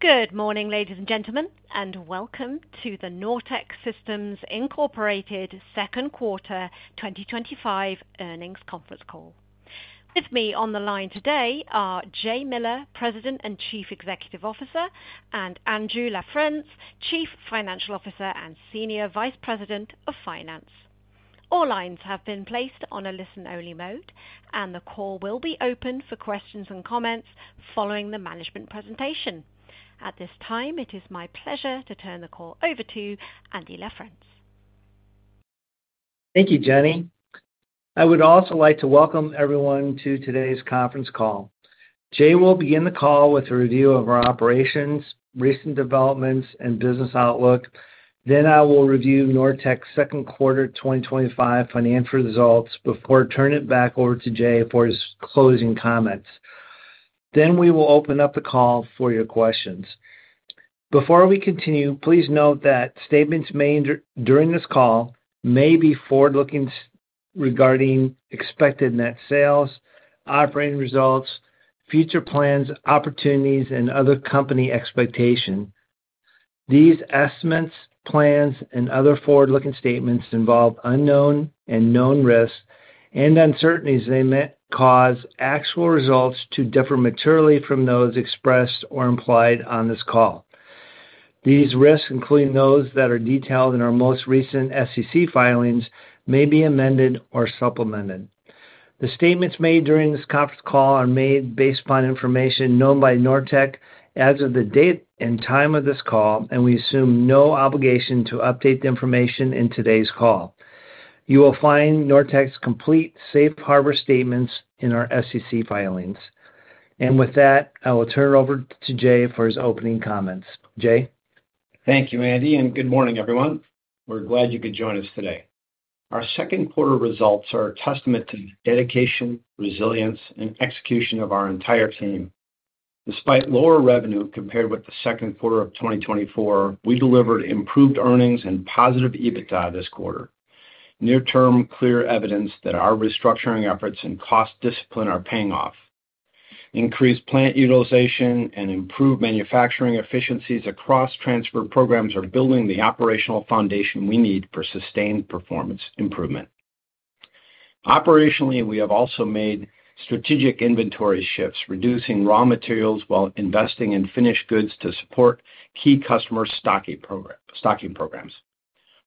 Good morning, ladies and gentlemen, and welcome to the Nortech Systems Incorporated Second Quarter 2025 Earnings Conference Call. With me on the line today are Jay Miller, President and Chief Executive Officer, and Andrew LaFrence, Chief Financial Officer and Senior Vice President of Finance. All lines have been placed on a listen-only mode, and the call will be open for questions and comments following the management presentation. At this time, it is my pleasure to turn the call over to Andrew LaFrence. Thank you, Jenny. I would also like to welcome everyone to today's conference call. Jay will begin the call with a review of our operations, recent developments, and business outlook. I will review Nortech's Second Quarter 2025 financial results before turning it back over to Jay for his closing comments. We will open up the call for your questions. Before we continue, please note that statements made during this call may be forward-looking regarding expected net sales, operating results, future plans, opportunities, and other company expectations. These estimates, plans, and other forward-looking statements involve unknown and known risks and uncertainties that may cause actual results to differ materially from those expressed or implied on this call. These risks, including those that are detailed in our most recent SEC filings, may be amended or supplemented. The statements made during this conference call are made based upon information known by Nortech as of the date and time of this call, and we assume no obligation to update the information in today's call. You will find Nortech's complete safe harbor statements in our SEC filings. With that, I will turn it over to Jay for his opening comments. Jay? Thank you, Andy, and good morning, everyone. We're glad you could join us today. Our second quarter results are a testament to the dedication, resilience, and execution of our entire team. Despite lower revenue compared with the second quarter of 2024, we delivered improved earnings and positive EBITDA this quarter. Near-term clear evidence that our restructuring efforts and cost discipline are paying off. Increased plant utilization and improved manufacturing efficiencies across transfer programs are building the operational foundation we need for sustained performance improvement. Operationally, we have also made strategic inventory shifts, reducing raw materials while investing in finished goods to support key customer stocking programs.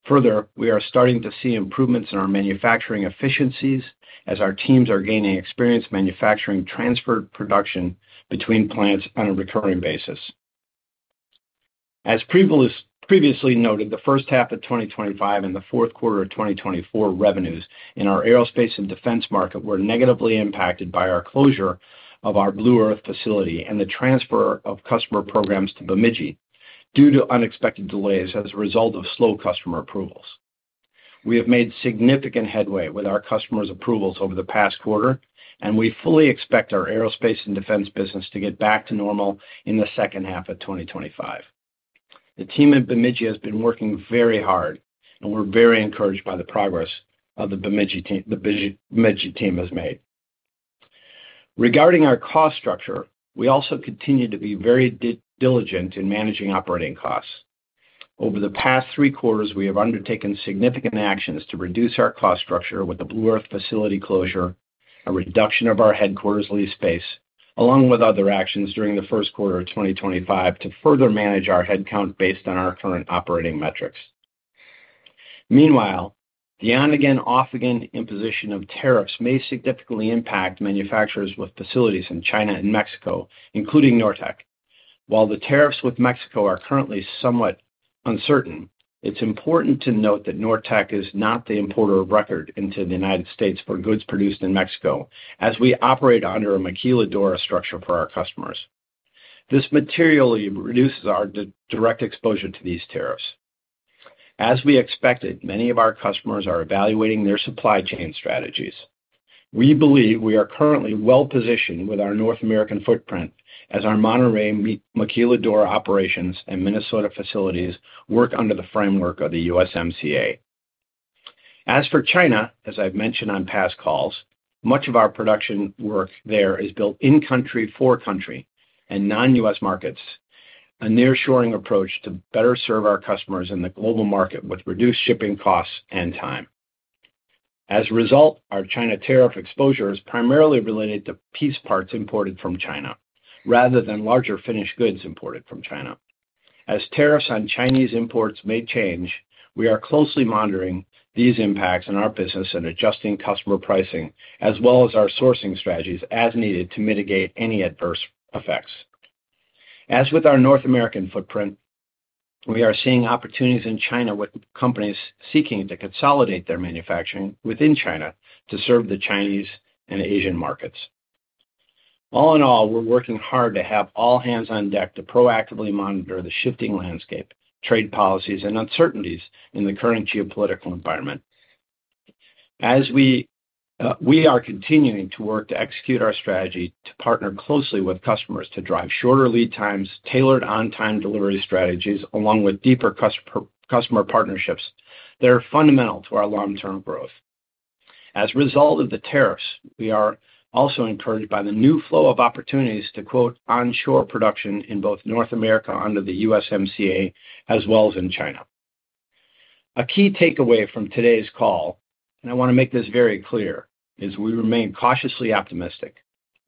Further, we are starting to see improvements in our manufacturing efficiencies as our teams are gaining experience manufacturing transferred production between plants on a recurring basis. As previously noted, the first half of 2025 and the fourth quarter of 2024 revenues in our aerospace and defense market were negatively impacted by our closure of our Blue Earth facility and the transfer of customer programs to Bemidji due to unexpected delays as a result of slow customer approvals. We have made significant headway with our customers' approvals over the past quarter, and we fully expect our aerospace and defense business to get back to normal in the second half of 2025. The team at Bemidji has been working very hard, and we're very encouraged by the progress the Bemidji team has made. Regarding our cost structure, we also continue to be very diligent in managing operating costs. Over the past three quarters, we have undertaken significant actions to reduce our cost structure with the Blue Earth facility closure, a reduction of our headquarters lease space, along with other actions during the first quarter of 2025 to further manage our headcount based on our current operating metrics. Meanwhile, the on-again, off-again imposition of tariffs may significantly impact manufacturers with facilities in China and Mexico, including Nortech. While the tariffs with Mexico are currently somewhat uncertain, it's important to note that Nortech is not the importer of record into the United States for goods produced in Mexico, as we operate under a maquiladora structure for our customers. This materially reduces our direct exposure to these tariffs. As we expected, many of our customers are evaluating their supply chain strategies. We believe we are currently well positioned with our North American footprint as our Monterey maquiladora operations and Minnesota facilities work under the framework of the USMCA. As for China, as I've mentioned on past calls, much of our production work there is built in-country for country and non-U.S. markets, a nearshoring approach to better serve our customers in the global market with reduced shipping costs and time. As a result, our China tariff exposure is primarily related to piece parts imported from China rather than larger finished goods imported from China. As tariffs on Chinese imports may change, we are closely monitoring these impacts on our business and adjusting customer pricing, as well as our sourcing strategies as needed to mitigate any adverse effects. As with our North American footprint, we are seeing opportunities in China with companies seeking to consolidate their manufacturing within China to serve the Chinese and Asian markets. All in all, we're working hard to have all hands on deck to proactively monitor the shifting landscape, trade policies, and uncertainties in the current geopolitical environment. We are continuing to work to execute our strategy to partner closely with customers to drive shorter lead times, tailored on-time delivery strategies, along with deeper customer partnerships that are fundamental to our long-term growth. As a result of the tariffs, we are also encouraged by the new flow of opportunities to quote onshore production in both North America under the USMCA as well as in China. A key takeaway from today's call, and I want to make this very clear, is we remain cautiously optimistic.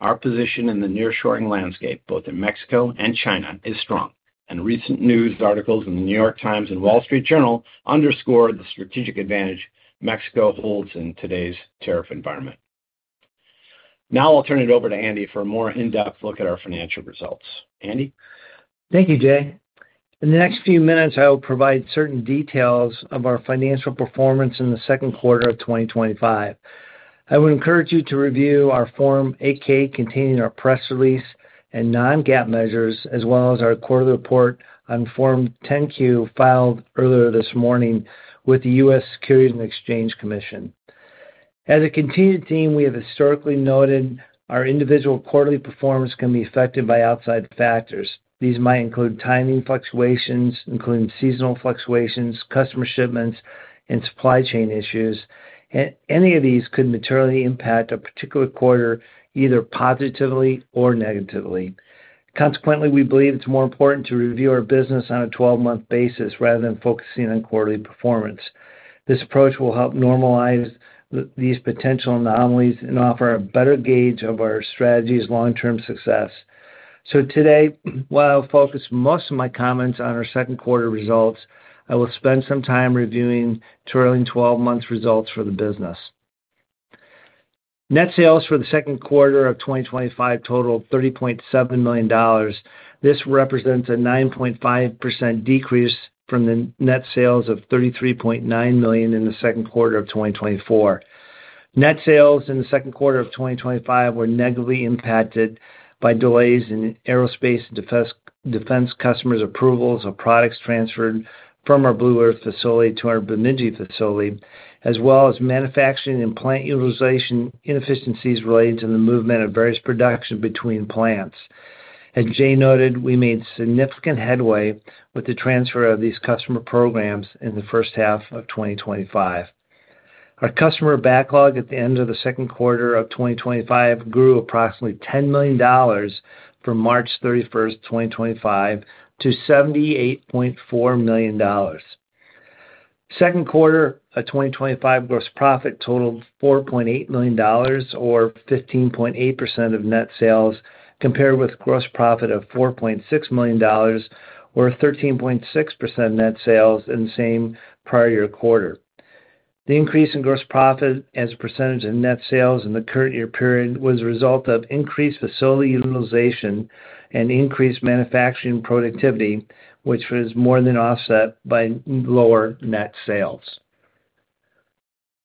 Our position in the nearshoring landscape, both in Mexico and China, is strong, and recent news articles in The New York Times and Wall Street Journal underscore the strategic advantage Mexico holds in today's tariff environment. Now I'll turn it over to Andy for a more in-depth look at our financial results. Andy? Thank you, Jay. In the next few minutes, I will provide certain details of our financial performance in the second quarter of 2025. I would encourage you to review our Form 8-K containing our press release and non-GAAP measures, as well as our quarterly report on Form 10-Q filed earlier this morning with the U.S. Securities and Exchange Commission. As a continued theme, we have historically noted our individual quarterly performance can be affected by outside factors. These might include timing fluctuations, including seasonal fluctuations, customer shipments, and supply chain issues, and any of these could materially impact a particular quarter either positively or negatively. Consequently, we believe it's more important to review our business on a 12-month basis rather than focusing on quarterly performance. This approach will help normalize these potential anomalies and offer a better gauge of our strategy's long-term success. Today, while I'll focus most of my comments on our second quarter results, I will spend some time reviewing the 12-month results for the business. Net sales for the second quarter of 2025 totaled $30.7 million. This represents a 9.5% decrease from the net sales of $33.9 million in the second quarter of 2024. Net sales in the second quarter of 2025 were negatively impacted by delays in aerospace and defense customers' approvals of products transferred from our Blue Earth facility to our Bemidji facility, as well as manufacturing and plant utilization inefficiencies related to the movement of various production between plants. As Jay noted, we made significant headway with the transfer of these customer programs in the first half of 2025. Our customer backlog at the end of the second quarter of 2025 grew approximately $10 million from March 31st, 2025, to $78.4 million. The second quarter of 2025 gross profit totaled $4.8 million, or 15.8% of net sales, compared with a gross profit of $4.6 million, or 13.6% of net sales in the same prior year quarter. The increase in gross profit as a percentage of net sales in the current year period was a result of increased facility utilization and increased manufacturing productivity, which was more than offset by lower net sales.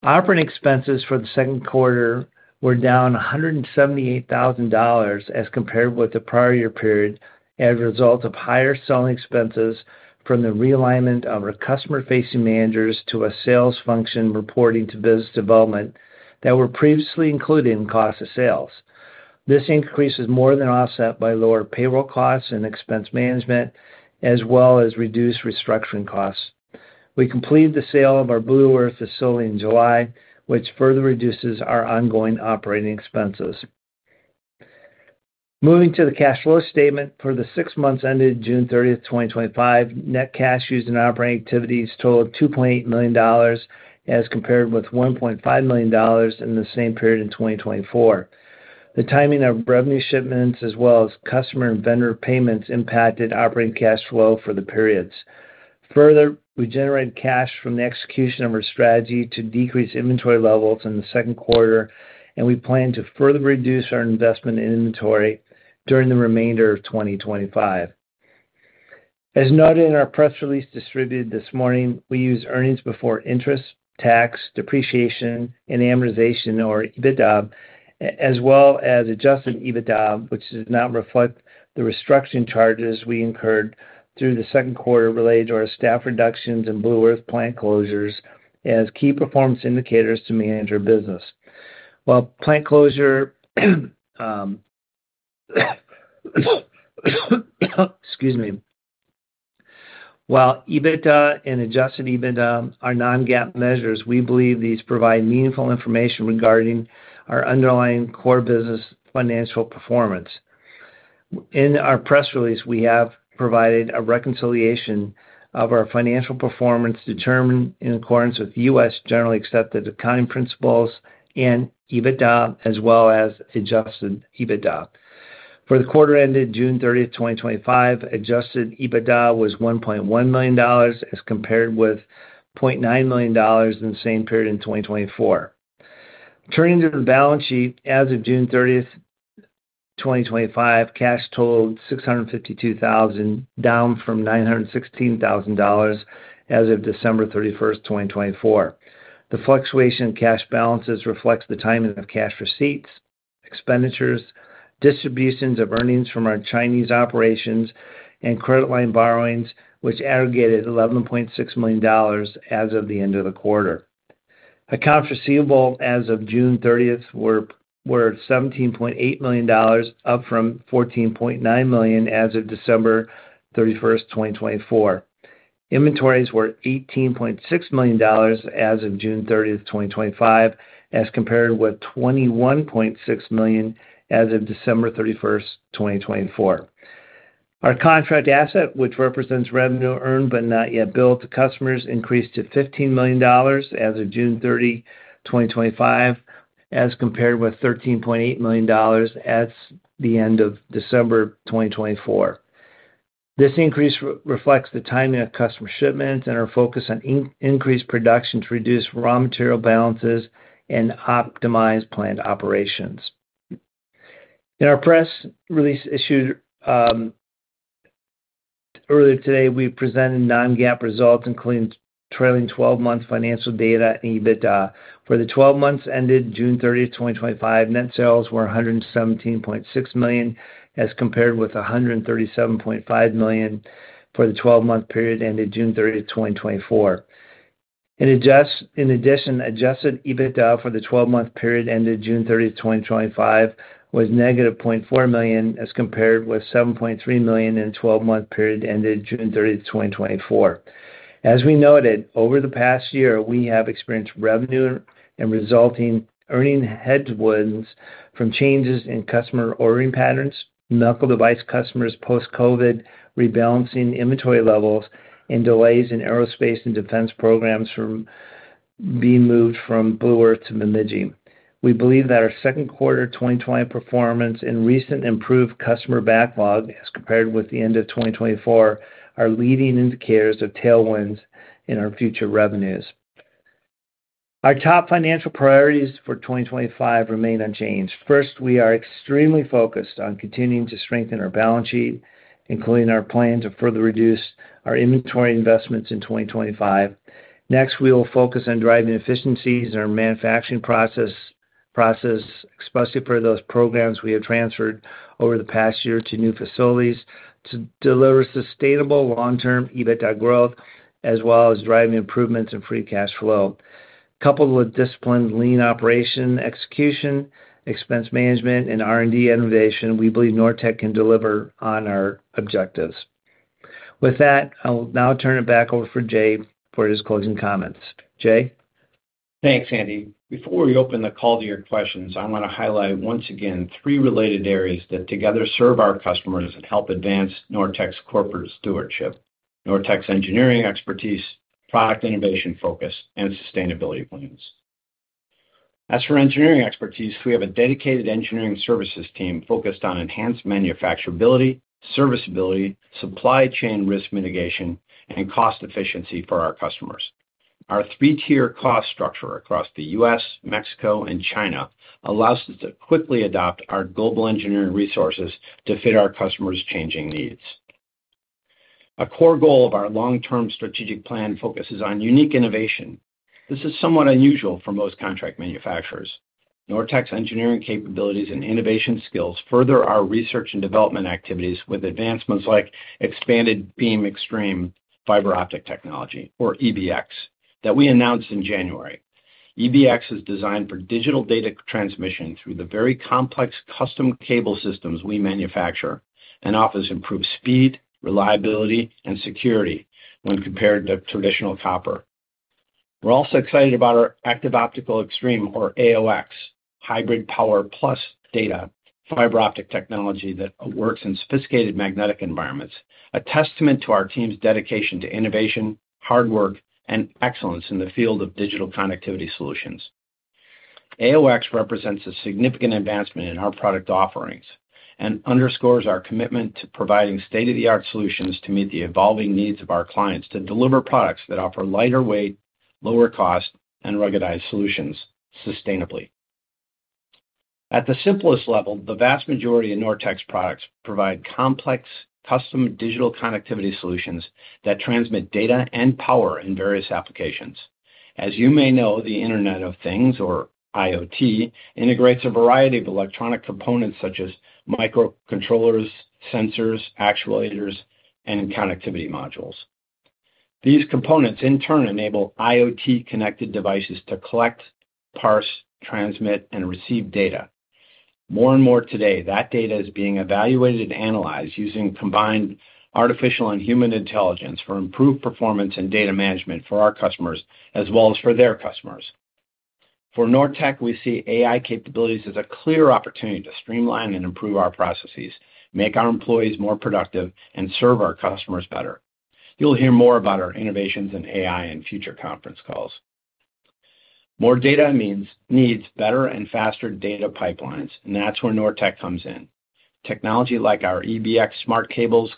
Operating expenses for the second quarter were down $178,000 as compared with the prior year period as a result of higher selling expenses from the realignment of our customer-facing managers to a sales function reporting to business development that were previously included in the cost of sales. This increase is more than offset by lower payroll costs and expense management, as well as reduced restructuring costs. We completed the sale of our Blue Earth facility in July, which further reduces our ongoing operating expenses. Moving to the cash flow statement for the six months ended June 30th, 2025, net cash used in operating activities totaled $2.8 million as compared with $1.5 million in the same period in 2024. The timing of revenue shipments, as well as customer and vendor payments, impacted operating cash flow for the periods. Further, we generated cash from the execution of our strategy to decrease inventory levels in the second quarter, and we plan to further reduce our investment in inventory during the remainder of 2025. As noted in our press release distributed this morning, we used earnings before interest, tax, depreciation, and amortization, or EBITDA, as well as adjusted EBITDA, which does not reflect the restructuring charges we incurred through the second quarter related to our staff reductions and Blue Earth plant closures as key performance indicators to manage our business. While EBITDA and adjusted EBITDA are non-GAAP measures, we believe these provide meaningful information regarding our underlying core business financial performance. In our press release, we have provided a reconciliation of our financial performance determined in accordance with U.S. generally accepted accounting principles and EBITDA, as well as adjusted EBITDA. For the quarter ended June 30th, 2025, adjusted EBITDA was $1.1 million as compared with $0.9 million in the same period in 2024. Turning to the balance sheet, as of June 30th, 2025, cash totaled $652,000, down from $916,000 as of December 31st, 2024. The fluctuation in cash balances reflects the timing of cash receipts, expenditures, distributions of earnings from our Chinese operations, and credit line borrowings, which aggregated $11.6 million as of the end of the quarter. Accounts receivable as of June 30th were $17.8 million, up from $14.9 million as of December 31st, 2024. Inventories were $18.6 million as of June 30th, 2025, as compared with $21.6 million as of December 31st, 2024. Our contract asset, which represents revenue earned but not yet billed to customers, increased to $15 million as of June 30th, 2025, as compared with $13.8 million at the end of December 2024. This increase reflects the timing of customer shipments and our focus on increased production to reduce raw material balances and optimize planned operations. In our press release issued earlier today, we presented non-GAAP results, including trailing 12-month financial data and EBITDA. For the 12 months ended June 30th, 2025, net sales were $117.6 million as compared with $137.5 million for the 12-month period ended June 30th, 2024. In addition, adjusted EBITDA for the 12-month period ended June 30th, 2025, was $-0.4 million as compared with $7.3 million in the 12-month period ended June 30th, 2024. As we noted, over the past year, we have experienced revenue and resulting earning headwinds from changes in customer ordering patterns, medical device customers post-COVID, rebalancing inventory levels, and delays in aerospace and defense programs from being moved from Blue Earth to Bemidji. We believe that our second quarter 2025 performance and recent improved customer backlog, as compared with the end of 2024, are leading indicators of tailwinds in our future revenues. Our top financial priorities for 2025 remain unchanged. First, we are extremely focused on continuing to strengthen our balance sheet, including our plan to further reduce our inventory investments in 2025. Next, we will focus on driving efficiencies in our manufacturing process, especially for those programs we have transferred over the past year to new facilities to deliver sustainable long-term EBITDA growth, as well as driving improvements in free cash flow. Coupled with disciplined lean operation execution, expense management, and R&D innovation, we believe Nortech can deliver on our objectives. With that, I will now turn it back over to Jay for his closing comments. Jay? Thanks, Andy. Before we open the call to your questions, I want to highlight once again three related areas that together serve our customers and help advance Nortech's corporate stewardship: Nortech's engineering expertise, product innovation focus, and sustainability plans. As for engineering expertise, we have a dedicated engineering services team focused on enhanced manufacturability, serviceability, supply chain risk mitigation, and cost efficiency for our customers. Our three-tier cost structure across the U.S., Mexico, and China allows us to quickly adapt our global engineering resources to fit our customers' changing needs. A core goal of our long-term strategic plan focuses on unique innovation. This is somewhat unusual for most contract manufacturers. Nortech's engineering capabilities and innovation skills further our research and development activities with advancements like Expanded Beam Xtreme fiber optic technology, or EBX, that we announced in January. EBX is designed for digital data transmission through the very complex custom cable systems we manufacture and offers improved speed, reliability, and security when compared to traditional copper. We're also excited about our Active Optical Xtreme, or AOX, hybrid power plus data fiber optic technology that works in sophisticated magnetic environments, a testament to our team's dedication to innovation, hard work, and excellence in the field of digital connectivity solutions. AOX represents a significant advancement in our product offerings and underscores our commitment to providing state-of-the-art solutions to meet the evolving needs of our clients to deliver products that offer lighter weight, lower cost, and ruggedized solutions sustainably. At the simplest level, the vast majority of Nortech's products provide complex custom digital connectivity solutions that transmit data and power in various applications. As you may know, the Internet of Things, or IoT, integrates a variety of electronic components such as microcontrollers, sensors, actuators, and connectivity modules. These components, in turn, enable IoT-connected devices to collect, parse, transmit, and receive data. More and more today, that data is being evaluated and analyzed using combined artificial and human intelligence for improved performance and data management for our customers, as well as for their customers. For Nortech, we see AI capabilities as a clear opportunity to streamline and improve our processes, make our employees more productive, and serve our customers better. You'll hear more about our innovations in AI in future conference calls. More data means better and faster data pipelines, and that's where Nortech comes in. Technology like our EBX smart cables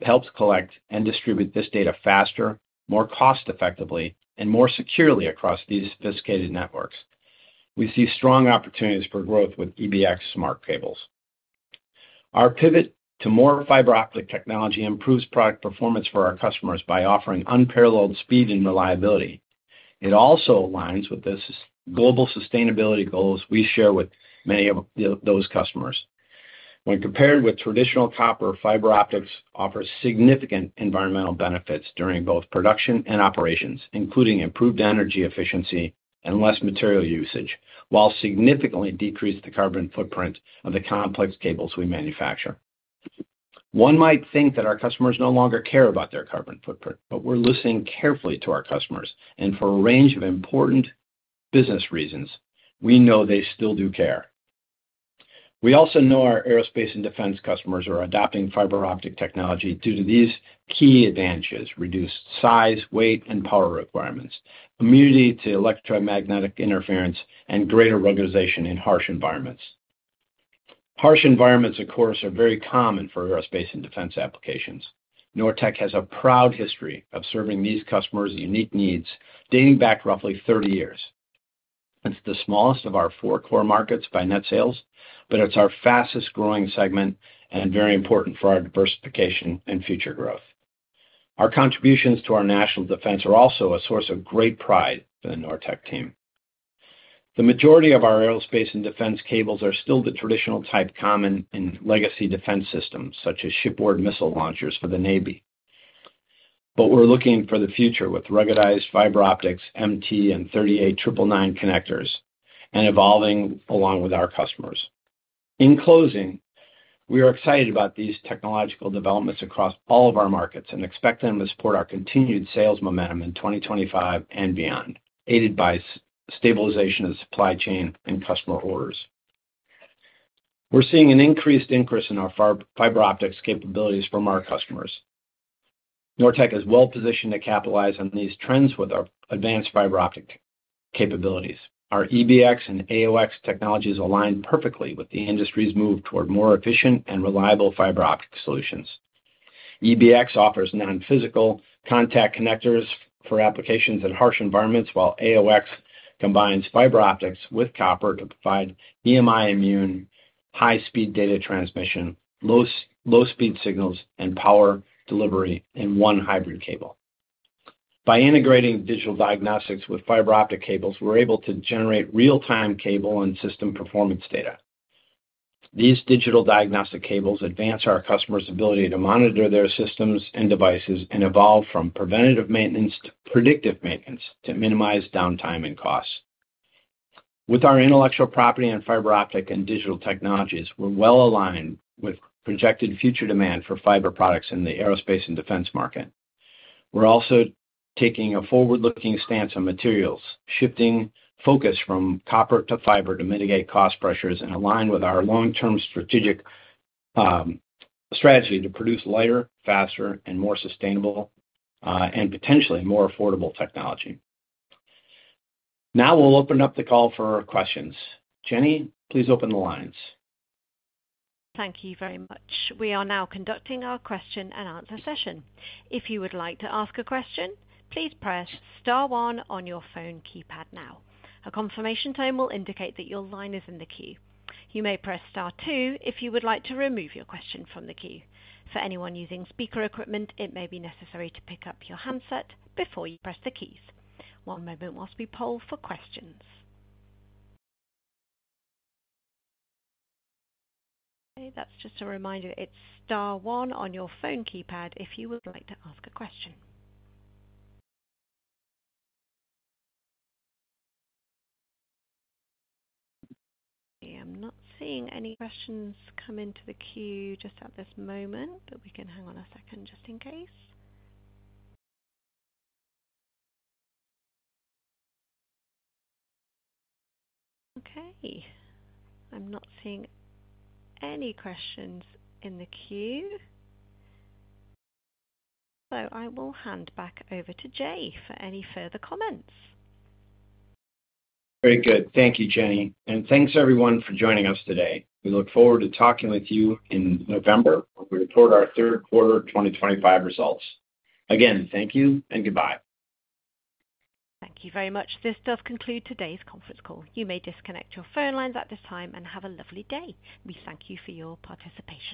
helps collect and distribute this data faster, more cost-effectively, and more securely across these sophisticated networks. We see strong opportunities for growth with EBX smart cables. Our pivot to more fiber optic technology improves product performance for our customers by offering unparalleled speed and reliability. It also aligns with global sustainability goals we share with many of those customers. When compared with traditional copper, fiber optics offers significant environmental benefits during both production and operations, including improved energy efficiency and less material usage, while significantly decreasing the carbon footprint of the complex cables we manufacture. One might think that our customers no longer care about their carbon footprint, but we're listening carefully to our customers, and for a range of important business reasons, we know they still do care. We also know our aerospace and defense customers are adopting fiber optic technology due to these key advantages: reduced size, weight, and power requirements, immunity to electromagnetic interference, and greater ruggedization in harsh environments. Harsh environments, of course, are very common for aerospace and defense applications. Nortech has a proud history of serving these customers' unique needs dating back roughly 30 years. It's the smallest of our four core markets by net sales, but it's our fastest growing segment and very important for our diversification and future growth. Our contributions to our national defense are also a source of great pride for the Nortech team. The majority of our aerospace and defense cables are still the traditional type common in legacy defense systems such as shipboard missile launchers for the Navy. We're looking for the future with ruggedized fiber optics, MT, and 38999 connectors and evolving along with our customers. In closing, we are excited about these technological developments across all of our markets and expect them to support our continued sales momentum in 2025 and beyond, aided by stabilization of supply chain and customer orders. We're seeing an increased interest in our fiber optics capabilities from our customers. Nortech is well positioned to capitalize on these trends with our advanced fiber optic capabilities. Our EBX and AOX technologies align perfectly with the industry's move toward more efficient and reliable fiber optic solutions. EBX offers non-physical contact connectors for applications in harsh environments, while AOX combines fiber optics with copper to provide EMI-immune, high-speed data transmission, low-speed signals, and power delivery in one hybrid cable. By integrating digital diagnostics with fiber optic cables, we're able to generate real-time cable and system performance data. These digital diagnostic cables advance our customers' ability to monitor their systems and devices and evolve from preventative maintenance to predictive maintenance to minimize downtime and costs. With our intellectual property on fiber optic and digital technologies, we're well aligned with projected future demand for fiber products in the aerospace and defense market. We're also taking a forward-looking stance on materials, shifting focus from copper to fiber to mitigate cost pressures and align with our long-term strategic strategy to produce lighter, faster, and more sustainable and potentially more affordable technology. Now we'll open up the call for our questions. Jenny, please open the lines. Thank you very much. We are now conducting our question and answer session. If you would like to ask a question, please press star one on your phone keypad now. A confirmation tone will indicate that your line is in the queue. You may press star two if you would like to remove your question from the queue. For anyone using speaker equipment, it may be necessary to pick up your handset before you press the keys. One moment while we poll for questions. Okay, that's just a reminder. It's star one on your phone keypad if you would like to ask a question. I am not seeing any questions come into the queue at this moment, but we can hang on a second just in case. Okay, I'm not seeing any questions in the queue. I will hand back over to Jay for any further comments. Very good. Thank you, Jenny, and thanks everyone for joining us today. We look forward to talking with you in November when we report our third quarter 2025 results. Again, thank you and goodbye. Thank you very much. This does conclude today's conference call. You may disconnect your phone lines at this time and have a lovely day. We thank you for your participation.